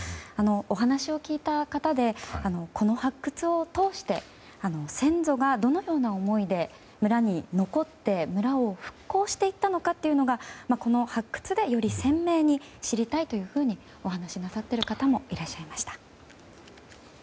お話を聞いた方でこの発掘を通して先祖がどのような思いで村に残って村を復興していったのかがこの発掘でより鮮明に知りたいとお話しなさっている方もいらっしゃいました。